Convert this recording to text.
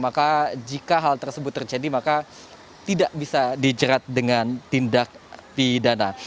dan juga jika hal tersebut terjadi maka tidak bisa dijerat dengan tindak pidana